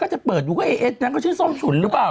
ก็จะเปิดอยู่กับเอ๊ะนั่งก็ชื่อซ่อมฉุนหรือเปล่า